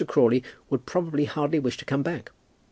Crawley would probably hardly wish to come back.